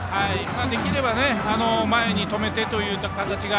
できれば前に止めてといった形が。